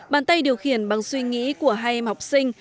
bàn tay điều khiển bằng suy nghĩ của hai em học sinh